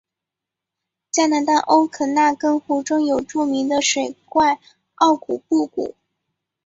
加拿大欧肯纳根湖中有著名的水怪奥古布古。